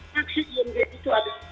jadi maksudnya di indonesia itu ada